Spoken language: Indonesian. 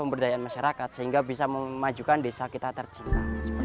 pemberdayaan masyarakat sehingga bisa memajukan desa kita tercinta